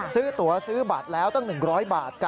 ตัวซื้อบัตรแล้วตั้ง๑๐๐บาท